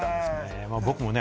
僕もね